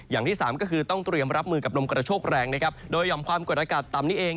อย่างที่สามก็คือต้องเตรียมรับมือกับลมกระโชคแรงนะครับโดยห่อมความกดอากาศต่ำนี้เอง